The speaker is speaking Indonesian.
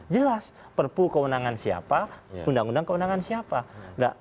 jelas perpu kewenangan siapa undang undang kewenangan siapa